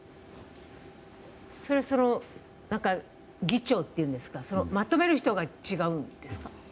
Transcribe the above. それは議長というんですかまとめる人が違うんですか？